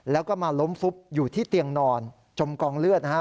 แล้วก็มาล้มฟุบอยู่ที่เตียงนอนจมกองเลือดนะฮะ